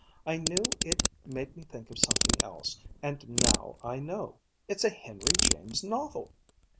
I knew it made me think of something else, and now I know it's a Henry James novel!"